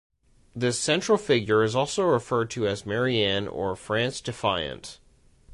This central figure is also referred to as Marianne or "France Defiant".